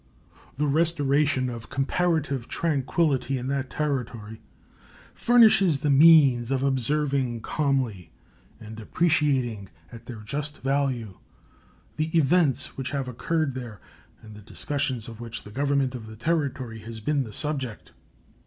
The restoration of comparative tranquillity in that Territory furnishes the means of observing calmly and appreciating at their just value the events which have occurred there and the discussions of which the government of the Territory has been the subject.